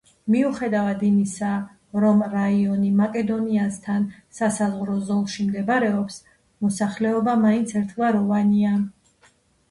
მიუხედავად იმისა, რომ რაიონი მაკედონიასთან სასაზღვრო ზოლში მდებარეობს, მოსახლეობა მაინც ერთგვაროვანია.